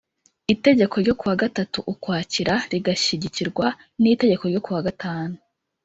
itegeko ryo ku wa gatatu ukwakira rigashyigikirwa n itegeko ryo ku wa gatanu